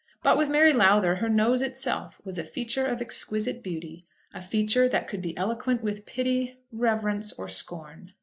But with Mary Lowther her nose itself was a feature of exquisite beauty, a feature that could be eloquent with pity, reverence, or scorn.